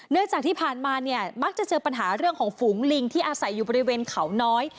จากที่ผ่านมาเนี่ยมักจะเจอปัญหาเรื่องของฝูงลิงที่อาศัยอยู่บริเวณเขาน้อย